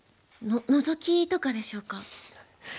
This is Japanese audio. ノゾキとかでしょうか。